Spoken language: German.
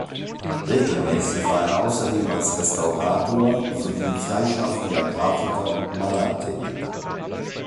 Regelmäßig war er außerdem als Restaurator sowie freischaffender Grafiker und Maler tätig.